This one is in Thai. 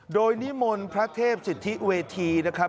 โดยนิมนต์พระเทพสิทธิเวทีนะครับ